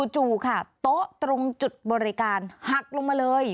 จู่ค่ะโต๊ะตรงจุดบริการหักลงมาเลย